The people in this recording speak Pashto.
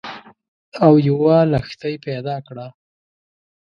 او یوه لښتۍ پیدا کړه